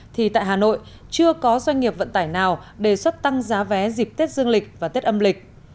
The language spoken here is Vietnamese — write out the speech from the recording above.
thì tại hà nội chưa có doanh nghiệp vận tải nào đề xuất tăng giá vé dịp tết dương lịch và tết âm lịch